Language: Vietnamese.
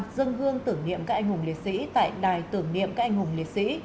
dân hương tưởng niệm các anh hùng liệt sĩ tại đài tưởng niệm các anh hùng liệt sĩ